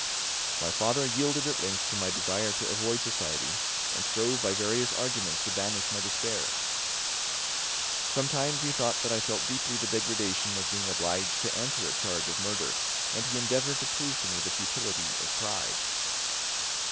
My father yielded at length to my desire to avoid society and strove by various arguments to banish my despair. Sometimes he thought that I felt deeply the degradation of being obliged to answer a charge of murder, and he endeavoured to prove to me the futility of pride.